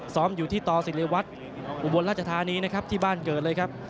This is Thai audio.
ซ้อมอยู่ที่ตศิริวัตรอุบลราชธานีนะครับที่บ้านเกิดเลยครับ